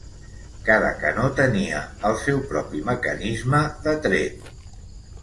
Cada canó tenia el seu propi mecanisme de tret.